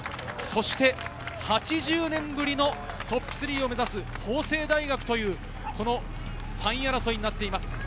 そして８０年ぶりのトップ３を目指す法政大学という３位争いになっています。